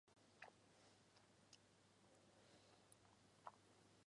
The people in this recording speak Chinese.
模范邨其后由香港房屋委员会接管。